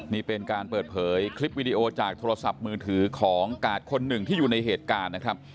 นี่เป็นการเปิดเผยคลิปวิดีโอจากโทรศัพท์มือถือของกาดคนหนึ่งที่อยู่ในเหตุการณ์นะครับ